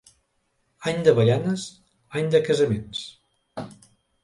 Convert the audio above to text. Any d'avellanes, any de casaments.